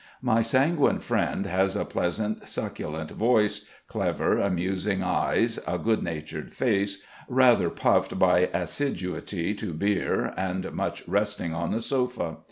My sanguine friend has a pleasant, succulent voice, clever, amusing eyes, a good natured face, rather puffed by assiduity to beer and much resting on the sofa.